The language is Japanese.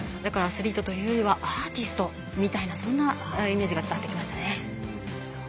アスリートというよりはアーティストみたいなそんなイメージが伝わってきましたね。